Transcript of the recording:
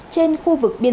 trên khu vực biển